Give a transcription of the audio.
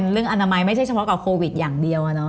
อนามัยไม่ใช่เฉพาะกับโควิดอย่างเดียว